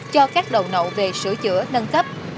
cho các đầu nậu về sửa chữa nâng cấp